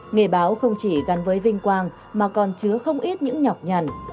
nghề báo không chỉ gắn với vinh quang mà còn chứa không ít những nhọc nhằn